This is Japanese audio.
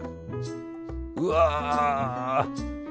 うわ！